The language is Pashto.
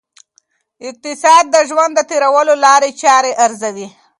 اقتصاد د ژوند د تېرولو لاري چاري ارزوي.